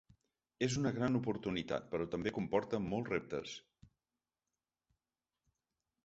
És una gran oportunitat, però també comporta molts reptes.